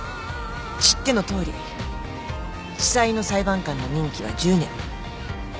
知ってのとおり地裁の裁判官の任期は１０年。